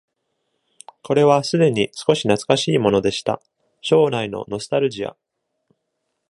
これは既に少し懐かしいものでした、将来のノスタルジア。